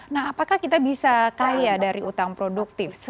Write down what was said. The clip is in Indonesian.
nah apakah kita bisa kaya dari utang produktif